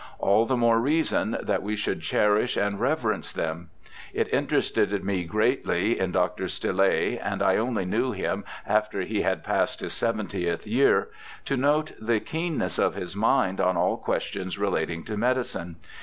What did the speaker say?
All the more reason that we should cherish and rever ence them. It interested me greatly in Dr. Stille, and I only knew him after he had passed his seventieth year, to note the keenness of his mind on all questions relating to medicine.